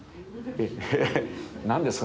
何ですか？